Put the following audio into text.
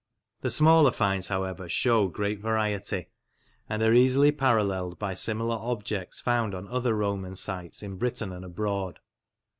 The smaller finds, however, shew great variety, and are easily paralleled by similar objects found on other Roman sites in Britain and abroad.